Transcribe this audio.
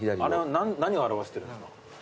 あれは何を表してるんですか？